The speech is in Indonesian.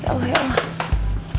ya allah ya allah